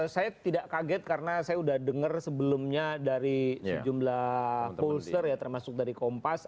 saya tidak kaget karena saya sudah dengar sebelumnya dari sejumlah polser ya termasuk dari kompas